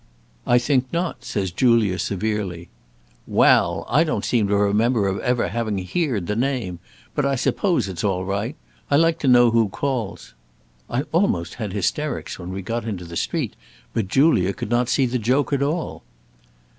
'I think not,' says Julia, severely. 'Wal! I don't seem to remember of ever having heerd the name. But I s'pose it's all right. I like to know who calls.' I almost had hysterics when we got into the street, but Julia could not see the joke at all."